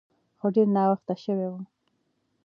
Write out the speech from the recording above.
خو ډیر ناوخته شوی و.